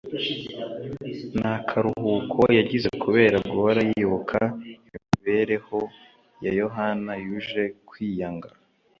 Nta karuhuko yagize kubera guhora yibuka imibereho ya Yohana yuje kwiyanga